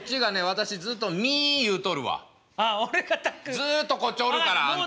ずっとこっちおるからあんた。